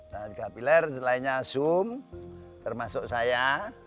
nah tiga pilar setelahnya zoom termasuk saya